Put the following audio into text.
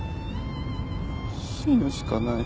死ぬしかない。